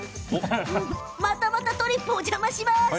またまたとりっぷお邪魔します。